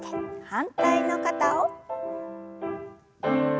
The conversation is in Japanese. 反対の肩を。